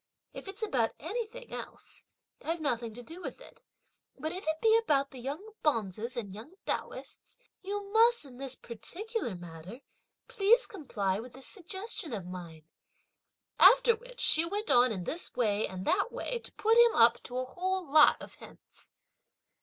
if it's about anything else, I've nothing to do with it; but if it be about the young bonzes and young Taoists, you must, in this particular matter, please comply with this suggestion of mine," after which, she went on in this way and that way to put him up to a whole lot of hints.